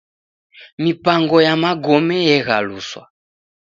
Mipango ya magome eghaluswa.